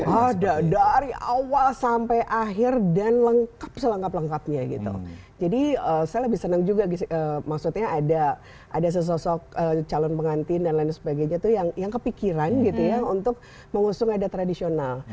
ada dari awal sampai akhir dan lengkap selengkap lengkapnya gitu jadi saya lebih senang juga maksudnya ada ada sesosok calon pengantin dan lain sebagainya tuh yang kepikiran gitu ya untuk mengusung ada tradisional